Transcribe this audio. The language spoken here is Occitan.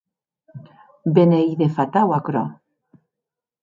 Be n’ei de fatau aquerò!